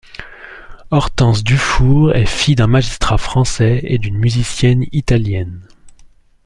Hortense Dufour est fille d’un magistrat français et d’une musicienne italienne.